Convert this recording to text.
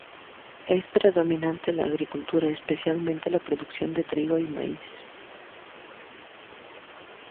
Es predominante la agricultura, especialmente la producción de trigo y maíz.